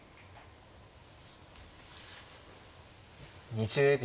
２０秒。